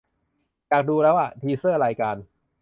อยากดูแล้วอ่ะ ! ทีเซอร์ รายการ